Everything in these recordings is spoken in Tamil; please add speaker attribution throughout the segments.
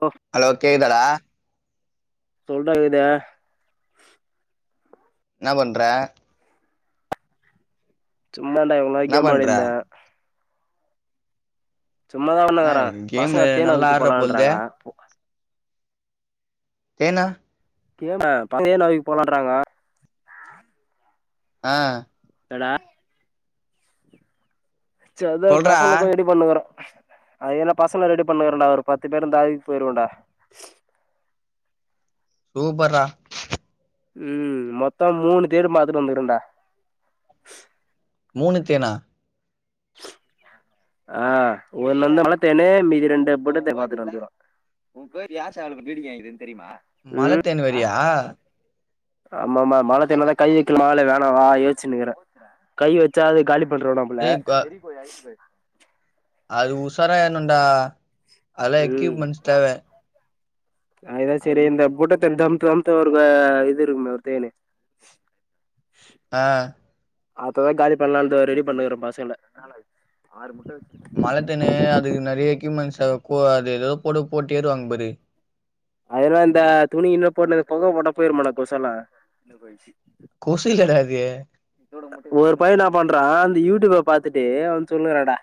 Speaker 1: லோ
Speaker 2: ஹலோ கேக்தாடா
Speaker 1: [unintelligible]
Speaker 2: என்ன பண்ற
Speaker 1: சும்மாடா இவ்ளோ நேரோ
Speaker 2: என்ன
Speaker 1: கேம்
Speaker 2: பண்ற
Speaker 1: வெளடாடியிருந்தே சும்மாதா
Speaker 2: ந
Speaker 1: ஒன்னக்கற பசங்க
Speaker 2: கேமு நல்லா
Speaker 1: தேனாவுக்கு
Speaker 2: ஆட்ர போல்தே
Speaker 1: போலான்றாங்க கேம பந்தய [inaudible] போலான்றாங்க
Speaker 2: ஆ
Speaker 1: தடா செர்தா
Speaker 2: சொல்றா
Speaker 1: பசங்ளுக்கு ரெடி பண்ணுக்கற அய்ய நா பசங்கள ரெடி பண்ணுகிறன்டா ஒரு பத்து பேரு இருந்தாய் போயருவன்டா
Speaker 2: சூப்பர்ரா
Speaker 1: ம் மொத்தோ மூணு தேரு பாத்துட்டு வந்துக்கறன்டா
Speaker 2: மூணு தேனா
Speaker 1: ஆ ஒன்னு ஒன்னு மலத்தேனு மீதி ரெண்டு போட்டதே பாத்துட்டு வந்துரா [unintelligible] பிலீடிங்கேங்குதுன்னு தெரியுமா
Speaker 2: மலத்தேனு வறியா
Speaker 1: ஆமா ஆமா மழ தேன்ல தான கை வெக்கல மால வேணா வா யேச்சுன்னுக்கிறே கை வெச்சா அது காலி
Speaker 2: ஏய் க
Speaker 1: [unintelligible]
Speaker 2: அது உசார ஏற்னும்டா அதலா
Speaker 1: ம்
Speaker 2: எக்யூப்மெண்ட்ஸ் தேவ
Speaker 1: அதுதா சேரி இந்த பூட்டத்த தம்த்த அம்த்தவர்கு இது இருக்மே அவர்தேனு
Speaker 2: ஆ
Speaker 1: அத்ததா காலி பண்லாம்டு ரெடி பண்ணுக்குறோ [unintelligible]
Speaker 2: கத்தன்னு அதுக்கு நெறைய எக்யூப்மெண்ட்ஸ் கூ அது ஏதோ போடு போட்டு ஏருவாங்க பாரு
Speaker 1: அதான்டா ந்த துணி இன்ன போடுனது புக போட்டா போயிருமானா கொசல்லா
Speaker 2: கொசு இல்லடா அது
Speaker 1: ஒரு பையன் நா பண்றா இந்த யூ டி யூப்ப பாத்துட்டு அவன் சொல்லுறான்டா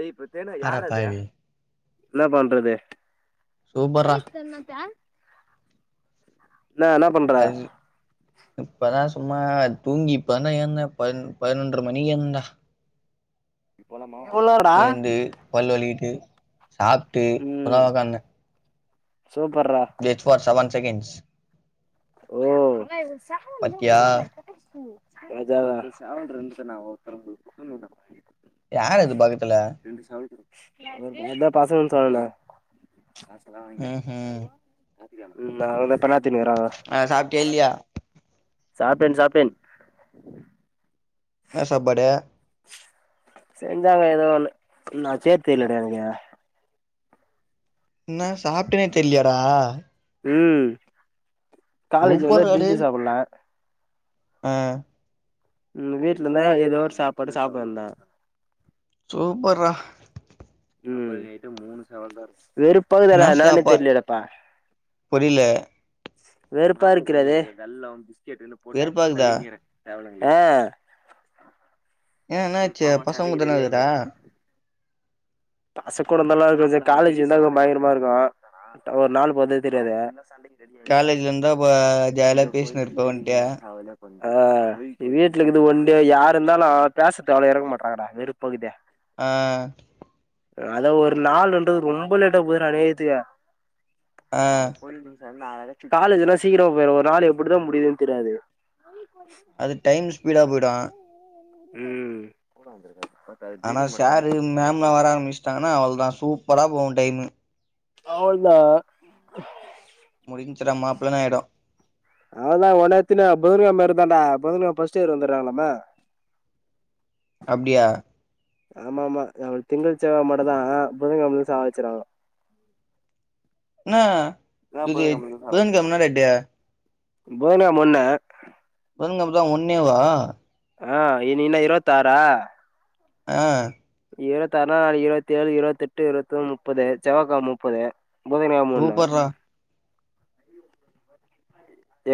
Speaker 1: ஏய் இப்பத்தேடுன யார் அ அது
Speaker 2: அடப்பாவி
Speaker 1: என்ன பண்றதே
Speaker 2: சூப்பர்ரா
Speaker 1: [unintelligible] இன்னா வேணு [unintelligible]
Speaker 2: அது இப்பதா சும்மா தா வ தூங்கிப்பன்னா எந்தேன் பனு பதினொன்ற மணிக்கு எந்தன்டா
Speaker 1: [unintelligible]
Speaker 2: ஏந்து பல் வலிகிட்டு சாப்ட்டு இப்பதா
Speaker 1: ம்
Speaker 2: உக்காந்தே
Speaker 1: சூப்பர்ரா
Speaker 2: [unintelligible] பார் செவன் செகண்ட்ஸ்
Speaker 1: ஓ
Speaker 2: பாத்தியா
Speaker 1: [unintelligible]
Speaker 2: யாரு அது பக்கத்துல
Speaker 1: அதா பசங்க வந்து சொல்லல
Speaker 2: ம்
Speaker 1: அதா
Speaker 2: ம்
Speaker 1: பின்னாத்திருக்கிறா அவன்
Speaker 2: ஆ சாப்ட்டியா இல்லையா
Speaker 1: சாப்டேன் சாப்டேன்
Speaker 2: என்னா சாப்பாடு
Speaker 1: செஞ்சாங்க ஏதோ ஒன்னு என்னா சேய்ய தெரிலடா எனக்கு
Speaker 2: என்னா சாப்ட்டனே தெரிலயாடா
Speaker 1: ம் காலேஜ் வந்தா
Speaker 2: சூப்பர்ரா டேய்
Speaker 1: பிரிச்சு சாப்பிடலா
Speaker 2: ஆ
Speaker 1: ம் வீட்டு்ல இருந்தா ஏதோ ஒரு சாப்பாடு சாப்புடுவேன்ந்தா
Speaker 2: சூப்பர்ரா
Speaker 1: வெறுப்
Speaker 2: இன்னா சாப்பாட் புரில
Speaker 1: வெறுப்பா இருக்கிறதே
Speaker 2: வெறுப்பாகுதா
Speaker 1: ஆ
Speaker 2: ஏ என்னாச்சு பசங்க குட்துன்ருக்குதா
Speaker 1: பாசக்கோட ந்தல்லாம் [unintelligible] காலேஜ் இந்தாலு பயங்ரமா இருக்கு ஒரு நாலு போறதே தெரியாது
Speaker 2: காலேஜ்ல இருந்தா அப்ப ஜாலியா பேசினு இருப்ப எவன்ட்டயா
Speaker 1: ஆ வீட்டுலக்குது ஒன் டே யாருந்தாலு பேசதுக்கு ஆளு இருக்க மாட்றாங்கடா வெறுப்பகுதே
Speaker 2: ஆ
Speaker 1: அ அதா ஒரு நாள்ன்றது ரொம்ப லேட்டா போதுறா அநியாயத்துக்கு
Speaker 2: ஆ
Speaker 1: காலேஜ் எல்லா சீக்கிரமா போயிடுது ஒரு நாளு எப்புடிதா முடியுதுன்னு தெரியாது
Speaker 2: அது டைம் ஸ்பீடா போயிடு
Speaker 1: ம்
Speaker 2: ஆனா சாரு மேம்லா வர ஆரமிச்சிட்டாங்கன்னா அவ்ளதா சூப்பரா போகு டைமு
Speaker 1: அவ்ள்தா
Speaker 2: முடிஞ்சுடா மாப்பிள்ளன்னு ஆயிடு
Speaker 1: அதுலா உலகத்துலயே அபூர்வம் மாரி தாண்டா [unintelligible] ஃபர்ஸ்ட் இயர் வந்துர்றாங்கலாமே
Speaker 2: அப்டியா
Speaker 1: ஆமா ஆமா நம்பள் திங்க செவ்வ மட்டுதா புதங்கிழமல இருந்து சாவ அடிச்சிடுவாங்க
Speaker 2: இன்னா இது புதன் கிழம என்ன டெட்டு
Speaker 1: புத கிழம மொன்ன
Speaker 2: புத கிழம தா ஒன்னேவா
Speaker 1: ஆ இன்னிக்கு என்ன இருவத்தி ஆறா
Speaker 2: ஆ
Speaker 1: இருபத்தி ஆறுனா நாளைக்கு இருபத்தி ஏழு இருபத்தி எட்டு இருபத்தி ஒம் முப்பது செவ்வா கிழம முப்பது புத கிழம ஒன்னு
Speaker 2: சூப்பர்ரா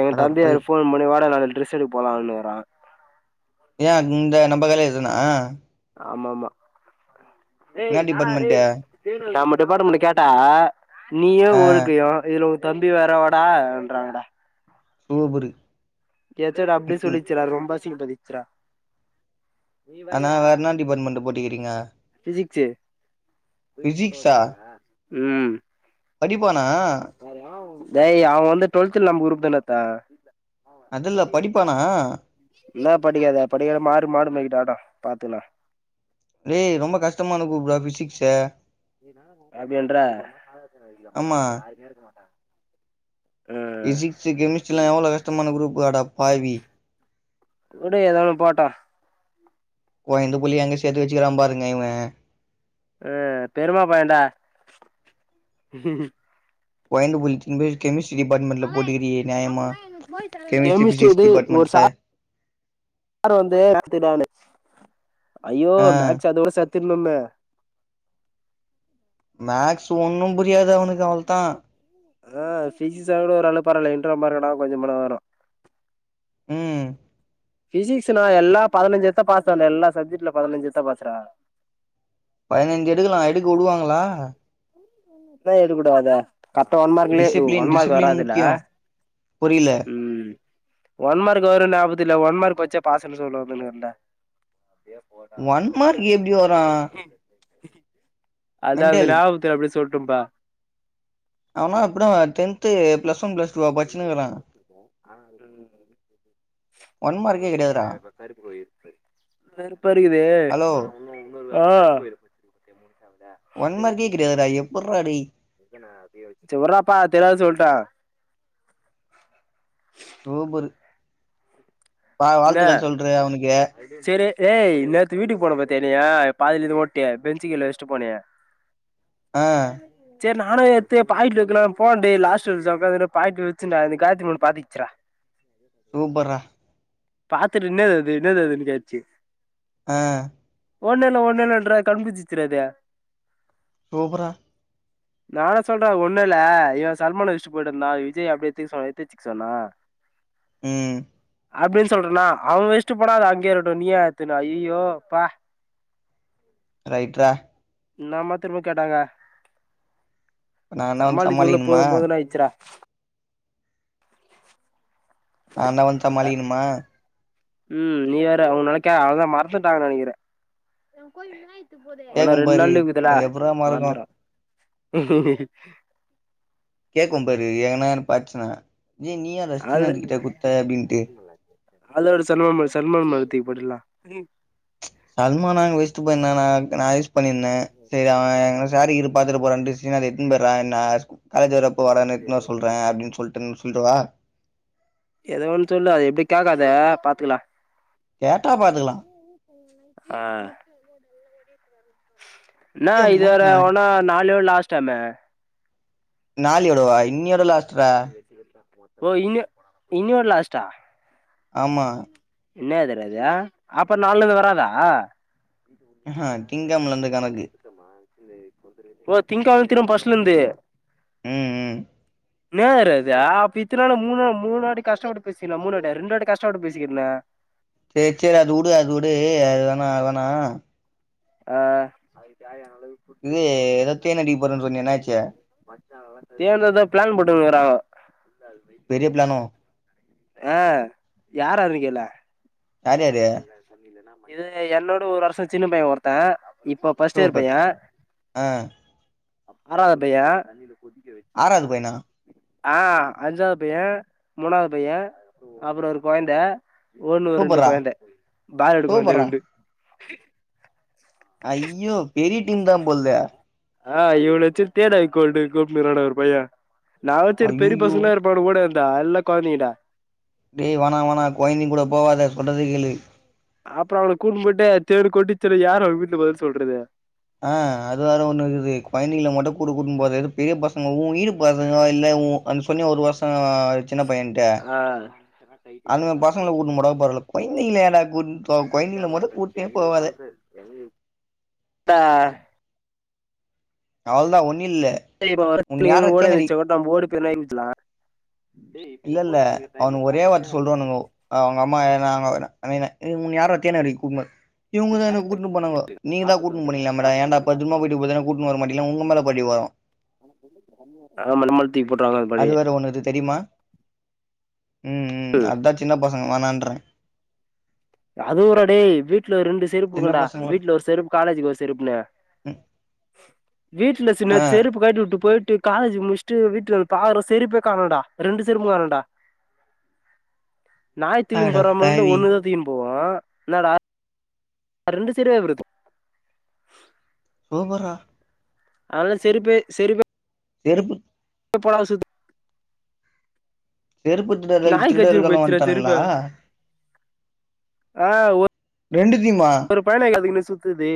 Speaker 1: எங்க தம்பி
Speaker 2: அடப்பாவி
Speaker 1: வேற ஃபோன் மணி வாடா நாளைக்கு டிரஸ் எடுக்க போலாம்னுக்கிறா
Speaker 2: எய இந்த நம்ப கடையில இதுன்னா
Speaker 1: ஆமாமா ஏய்
Speaker 2: என்னா
Speaker 1: நானா
Speaker 2: டிபார்ட்மெண்ட்டு
Speaker 1: டேய் நம்ம டிபார்ட்மெண்ட் கேட்டா நீயே
Speaker 2: ஆ
Speaker 1: ஒழுக்கு எவ இதுல உத் தம்பி வேற வாடான்றாங்க டா
Speaker 2: சூப்பரு
Speaker 1: எச்சோடி அப்டி
Speaker 2: ம் ம்
Speaker 1: சொல்லிருச்சுரா ரொம்ப அசிங்கப்படுத்திச்சிரா நீ
Speaker 2: ஆனா
Speaker 1: வரியா
Speaker 2: வேற என்னா டிபார்ட்மெண்ட் போட்டிக்கிறீங்க
Speaker 1: பிசிக்ஸ்சு
Speaker 2: ஃபிசிக்ஸா
Speaker 1: ம்
Speaker 2: படிப்பானா
Speaker 1: டேய் அவ வந்து ட்வெல்த்ல நம்ம குரூப்தா டா எத்தா அவ
Speaker 2: அதுல்ல
Speaker 1: அக்கிரி ஆக
Speaker 2: படிப்பானா
Speaker 1: போயிட்டா இன்னா படிக்காத படிக்காத மாடு மாடு மேய்கட்டு ஆடோ பாத்துக்கலா
Speaker 2: டேய் ரொம்ப கஷ்டமான குரூப்டா ஃபிசிக்ஸ்ச
Speaker 1: அது என்ரா
Speaker 2: ஆமா ஃபிசிக்ஸ்சு கெமிஸ்ட்ரிலா எவ்வளோ கஷ்டமான குரூப்பு அட பாவி
Speaker 1: வுடு ஏதோன்னு போட்டு
Speaker 2: கொழந்த புள்ளிய எங்க சேத்து வெச்சுக்கிறா பாருங்க இவ
Speaker 1: ஆ பெருமா பைய்யன்டா
Speaker 2: கொய்ந்து புள்ச்சு இந்தே கெமிஸ்ட்ரி டிபார்ட்மெண்ட்ல போட்டிக்கிரியே நியாயமா கெமிஸ்ட்ரி ஃபிசிக்ஸ் டிபார்ட்மெண்ட்ல
Speaker 1: சார் வந்து மைக்ஸ்ஸு தானச்சு அய்யோ
Speaker 2: ஆ
Speaker 1: மைக்ஸ் அதோட செத் தின் [unintelligible]
Speaker 2: மேக்ஸ் ஒண்ணும் புரியாது அவனுக்கு அவள்தா
Speaker 1: ஆ பிசிக்ஸ்சாது கூட ஒரளவு பரவால இன்டர்னல் மார்க்கனா கொஞ்சோ மன வரு
Speaker 2: உம்
Speaker 1: பிசிக்ஸ்னா எல்லா பதனஞ்சி எடுத்தா பாஸ் தாண்டா எல்லா சப்ஜெக்ட்ல பதனஞ்சு எடுத்தா பாஸ் ரா
Speaker 2: பதனஞ்சு எடுக்கலா எடுக்க வுடுவாங்களா
Speaker 1: ஏ எடுக்கூடாது கத்த ஒன்மார்க்க்லயே [unintelligible]
Speaker 2: டிசிப்ளின்
Speaker 1: ஒன்மார்க்க்
Speaker 2: டிசிப்ளின்
Speaker 1: வராதுல்ல
Speaker 2: முக்கியோ புரில
Speaker 1: உம் ஒன் மார்க் வரு [unintelligible] ஒன் மார்க் படிச்சா பாஸ்சுன்னு சொல்ல [unintelligible] என்ட
Speaker 2: ஒன் மார்க் எப்டி வரு
Speaker 1: அது அந்த
Speaker 2: மெண்டல்
Speaker 1: ஞாபத்துல அப்டி சொல்லடம்ப்பா
Speaker 2: ஆமா அப்புறோ டென்த் த்து பிளஸ் ஒன் பிளஸ் டூவா பச்சினுக்கிறா ஒன் மார்க்கே கெடையாதுடா
Speaker 1: [inaudible] வெறுப்பா இருக்குது
Speaker 2: ஹலோ
Speaker 1: ஆ தா
Speaker 2: ஒன்மார்கே கெடையாதுடா எப்பிட்றா டேய்
Speaker 1: செரி விட்றாப்பா தெரியாத சொல்ட்ட
Speaker 2: சூப்பரு பா வாழ்த்துக்கள் சொல்றியா அவனுக்கு
Speaker 1: செரி ஏய் நேத்து வீட்டுக்கு போன பாத்தியா என்னைய பாதில இருந் ஓட்டியே பெஞ்சு கீழ வெச்சுட்டு போனியே
Speaker 2: ஆ
Speaker 1: செரி நானு எத்து பாக்கெட்ல வெக்கலானு போன் டேய் லாஸ்ட் எக்சாம்ல அதன பாக்கெட்ல வெச்சண்டா அந்த காயத்ரி பொண்ணு பாத்துகிச்சு டா
Speaker 2: சூப்பட்றா
Speaker 1: பாத்துட்டு என்னது அது என்னது அதுன்னு கேட்டுச்சு
Speaker 2: அ
Speaker 1: ஒன்னில்ல ஒன்னில்லன்ற கண்புச்சிச்சிட்ரா அது
Speaker 2: சூப்பரா
Speaker 1: நானு சொல்றே அது ஒன்னில்ல இவ சல்மான் வச்சிட்டு போய்ட்டு வந்தா விஜய் அப்டியே எதுக் சொன் எடுத்து வைச்சுக் சொன்னா
Speaker 2: உம்
Speaker 1: அப்டின் சொல்றேனா அவ வெச்சுட்டு போனா அது அங்கேயே இருகட்டு நீயே எடுத்துக்குன் வ அய்யயோ அப்பா
Speaker 2: ரைட் ரா
Speaker 1: என்னமா தெர்மா கேட்டாங்க
Speaker 2: நான்தா வந்து
Speaker 1: சமாளிக்கிறதுக்குள்ள
Speaker 2: சமாளிக்கணுமா
Speaker 1: போதுபோதுன் ஆயிர்ச்சு டா
Speaker 2: ஆ நா வந் சமாளிக்கனுமா
Speaker 1: உம் நீ வேற அவுங்க நெனைக்க அவளதா மறச்சுட்டங்க நெனைக்கிறே ஆனா
Speaker 2: கேக்கும்
Speaker 1: ரெண்டு
Speaker 2: பாரு
Speaker 1: நாள் இருக்குதுல
Speaker 2: அது எப்புட்றா மறக்கு
Speaker 1: மறந்துரோ
Speaker 2: கேக்கோ பாரு எங்கனான் பாத்துச்சுனா ஏ நீயா
Speaker 1: அது
Speaker 2: [unintelligible] கிட்ட குத்த அப்டின்ட்டு
Speaker 1: அதுல ஒரு [unintelligible] மேல தூக்கி போட்டுர்லா
Speaker 2: ச் சல்மானா அங்க வெச்சட்டு போயிருந்தானா நா இருக் நா யூஸ் பண்ணிருந்தே சேர் அவ எங்கன்னா சாரிகீறு பாத்தர போறான்ட்டு கிறிஸ்டின் அத எத்துன் போய்யர்ரா நா ஸ் காலேஜ் வரப்ப வரேனு எட்டுன் வரசொல்றே அப்டின் சொல்டேன் சொல்லிடவா
Speaker 1: எதோ ஒன் சொல்லு அது இப்டி கேக்காத பாத்துக்லா
Speaker 2: கேட்டா பாத்துக்லா
Speaker 1: ஆ இன்னா இது
Speaker 2: எம்மா
Speaker 1: வேர ஒனா நால்யோட லாஸ்ட்டாமே
Speaker 2: நாலயோடவா இன்னியோட லாஸ்ட்ரா
Speaker 1: சிலத்ல ஒன் ஓ இன்னு இன்னியோட லாஸ்டா
Speaker 2: ஆமா
Speaker 1: என்னாது டா இது அப்ப நால்லந்து வராதா
Speaker 2: ஆ ஹ திங்கெழமலந்து கணக்
Speaker 1: ஒ திங்கெழம திரும்ப ஃபஸ்ட்லந்து
Speaker 2: ம் ம்
Speaker 1: இன்னாது ரா இது அப்ப இத்தனால மூணு மூணாட்டி கஷ்டப்பட்டு பேசினோ மூணு வாட்டி ரெண்டு வாட்டி கஷ்டப்பட்டு பேசிக்கிறேனே
Speaker 2: சேரி சேரி அது உடு அது உடு அது வேனா அது வேனா
Speaker 1: ஆ
Speaker 2: இது ஏதோ தேனடிக்க போறன் சொன்னியே என்னாச்சி
Speaker 1: மச்சா தேனு தா பிளான் போட்டுன்க்கிறாங்கோ
Speaker 2: பெரிய பிளானோ
Speaker 1: ஆ யாராரு கேளே
Speaker 2: யார் யாரு
Speaker 1: இது என்னோட ஒரு வருஷ சின்ன பைய ஒருத்த இப்ப ஃபஸ்ட் இயர்
Speaker 2: சூப்பர்
Speaker 1: பைய
Speaker 2: ஆ
Speaker 1: ஆறாத பைய
Speaker 2: ஆறாவது பையனா
Speaker 1: ஆ அஞ்சாவது பைய மூணாவது பைய அப்றோ ஒரு கொய்ந்த ஒண்ணு ரெண்டு
Speaker 2: சூப்பர்ரா
Speaker 1: கொய்ந்த பாலடு கொழந்த
Speaker 2: சூப்பர்ரா
Speaker 1: ரெண்டு
Speaker 2: ஐயோ பெரிய டீம் தா போல்தே
Speaker 1: ஆ இவ்ளோ சேரி தேடா கோல்டு கூப்டுனு இருக்கா டா ஒரு பைய நா ஒ சேரி பெரிய
Speaker 2: ஐய்யய்யோ
Speaker 1: பசங்களா இருப் இப்போட கூட அந்த அல்ல கொழந்தைங்கடா
Speaker 2: நீ வோனா வோணா கொய்ந்தங்க கூட போவாத சொல்றத கேளு
Speaker 1: அப்றோ அவன கூட்டுன் போய்ட்டு தேள் கொட்டிச்சிரு யாரு அவுங்க வீட்ல பதில் சொல்றது
Speaker 2: ஆ அது வேற ஒன்னுக்குது கொய்ந்தங்கல மட்டு கூட கூட்டுன் போது எது பெரிய பசங்க ஊ ஈடு பசங்கோ இல்ல ஊ வந்து சொன்னியே ஒரு வருஷ சின்ன பையன் ட்ட
Speaker 1: ஆ
Speaker 2: அந்த பசங்கள கூட்டுன் போனா பரால கொய்ந்திங்கல ஏன்டா [unintelligible] கொய்ந்தங்கள மொத கூட்
Speaker 1: த
Speaker 2: அவள்தா ஒன்னில்ல
Speaker 1: [unintelligible]
Speaker 2: இல்ல இல்ல அவனுங்க ஒரே வார்த்த சொல்றானுங்கோ அவங்கம்மா எதனா அவுங்கதெனா [unintelligible] உன்ன யார்ரா தேநடைக்கு கூட்னு இவுங்க தா என்ன கூட்டுனு போணாங்கோ நீங்க தா கூட்டுனு போனீங்களா மேடா ஏன்டா பத்துரூமா போய்ட்டு பத்தரமா கூட்டு
Speaker 1: ஆமா நம்மேல தூக்கி போட்றாங்க பலி
Speaker 2: ஒண்ணுது தெரியுமா ம் ம் அதா சின்ன பசங்க வேணாண்ற
Speaker 1: அது வுறா டேய் வீட்ல ஒரு ரெண்டு
Speaker 2: சின்ன
Speaker 1: செருப்புக்குண்டா
Speaker 2: பசங்கள
Speaker 1: வீட்ல ஒரு செருப் காலேஜக்கு ஒரு செருப்புனு வீட்ல சின்ன
Speaker 2: ஆ
Speaker 1: செருப்பு கயட்டி வுட்டு போய்ட்டு காலேஜ் முடிச்ட்டு வீட்டுக் வந்து பாக்கற செருப்பே காணோடா ரெண்டு செருப்பு காணோடா நாய் தூக்கின் போறமா இருந்தா
Speaker 2: அடப்பாவி
Speaker 1: ஒண்ணு தா தூக்கின் போவு என்னடா ரெண்டு சைடு [unintelligible]
Speaker 2: சூப்பரா
Speaker 1: அதல செருப்பே செரி ப
Speaker 2: செருப்பு
Speaker 1: எங்க போனாலு சுத்து
Speaker 2: செருப்பு எடுத்துடு வரதுக்கு
Speaker 1: நாய் கடிச்சிட்டு
Speaker 2: திருடர்களா
Speaker 1: போயிடுச்சுடா
Speaker 2: வன்ட்டானுங்களா
Speaker 1: செருப்ப ஆ
Speaker 2: ரெண்டுத்தியிமா
Speaker 1: ஒரு பயன அதுக்குன்னே சுத்துது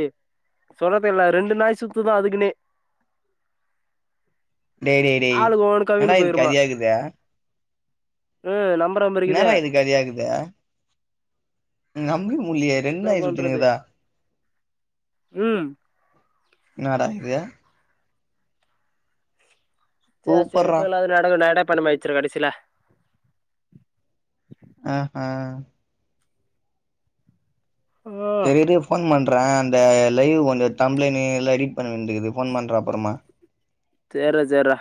Speaker 1: சொல்ல தெர்ல ரெண்டு நாய் சுத்துதா அதுக்குன்னே
Speaker 2: டே டே டேய்
Speaker 1: ஆளுக்கு ஒவ்வொன்னு கவ்வின்னு
Speaker 2: என்னடா இது கதையா இக்குது
Speaker 1: உம் நம்பர மாறி இருக்குது
Speaker 2: கதையா இக்குது உம் நம்பவே முல்லயே
Speaker 1: என்னா பண்றது உம்
Speaker 2: என்னாடா இது
Speaker 1: மச்சா
Speaker 2: சூப்பர்ரா
Speaker 1: செருப்பே இல்லாம நடக்க நட பயணம் ஆயிருச்சிடா கடைசில
Speaker 2: அ ஹே சேரி இரு ஃபோன் பண்றே அந்த லைவ் ஒன்னு டம்ப்ளைண்னு எல்லா எடிட் பண்ண வேண்டிருக்கு ஃபோன் பண்றே அப்பறமா
Speaker 1: சேர்ரா சேர்ரா